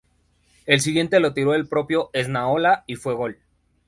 El siguiente lo tiro el propio Esnaola, y fue gol.